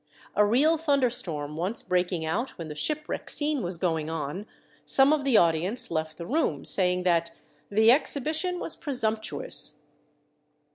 A real thunder storm once breaking out when the shipwreck scene was going on, some of the audience left the room, saying that "the exhibition was presumptuous."